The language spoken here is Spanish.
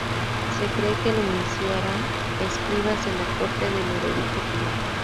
Se cree que lo iniciaron escribas de la corte de Ludovico Pío.